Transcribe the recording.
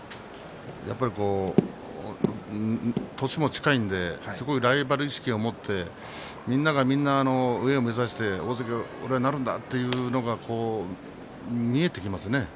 やっぱり年も近いのですごいライバル意識を持ってみんながみんな上を目指して俺が大関になるんだという姿が見えてきますね。